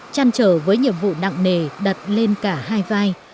chăn trở với nhiệm vụ nặng nề đặt lên cả hai vai